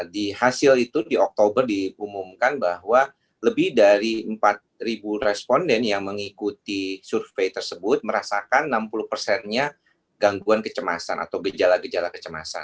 di hasil itu di oktober diumumkan bahwa lebih dari empat responden yang mengikuti survei tersebut merasakan enam puluh persennya gangguan kecemasan atau gejala gejala kecemasan